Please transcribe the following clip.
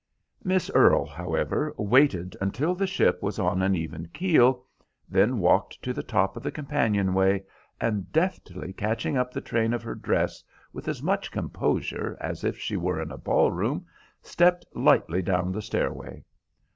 Miss Earle, however, waited until the ship was on an even keel, then walked to the top of the companion way, and, deftly catching up the train of her dress with as much composure as if she were in a ballroom, stepped lightly down the stairway.